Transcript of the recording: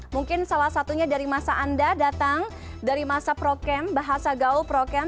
mungkin salah satunya dari masa anda datang dari masa prokem bahasa gaul prokem